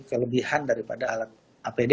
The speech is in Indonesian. kelebihan daripada alat apd